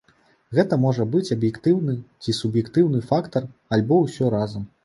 Гэта можа быць аб'ектыўны ці суб'ектыўны фактар альбо ўсё разам.